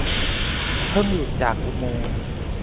เพิ่งหลุดจากอุโมงค์